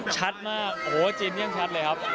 ชัดมากโอ้โหจีนยังชัดเลยครับ